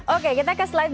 oke kita ke selanjutnya